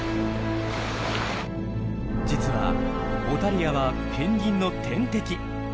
実はオタリアはペンギンの天敵。